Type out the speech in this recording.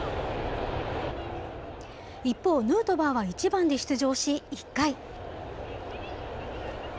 一方、ヌートバーは１番で出場し、１回。